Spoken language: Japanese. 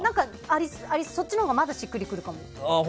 そっちのほうがまだしっくりくるかも。